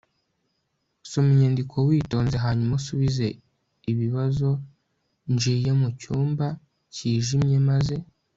soma inyandiko witonze, hanyuma usubize ibibazonjiye mu cyumba cyijimye maze